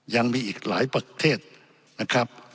ยังมีอีกหลายประเทศนะครับ